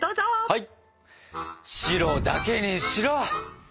はい。